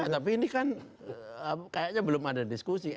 tapi ini kan kayaknya belum ada diskusi